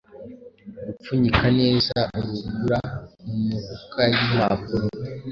Gupfunyika neza Arugula mumahuka yimpapuro